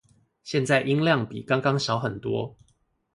現在音量比剛剛小很多